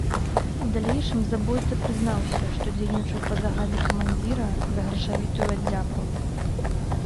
У далейшым забойца прызнаўся, што дзейнічаў па загадзе камандзіра за грашавітую аддзяку.